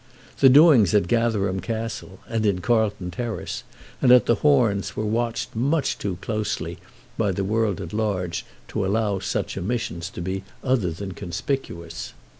The doings at Gatherum Castle, and in Carlton Terrace, and at the Horns were watched much too closely by the world at large to allow such omissions to be otherwise than conspicuous.